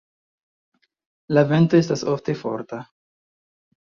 La vento estas ofte forta.